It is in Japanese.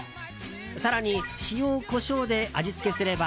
更に塩、コショウで味付けすれば。